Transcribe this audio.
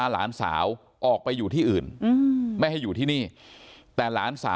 ส่วนนางสุธินนะครับบอกว่าไม่เคยคาดคิดมาก่อนว่าบ้านเนี่ยจะมาถูกภารกิจนะครับ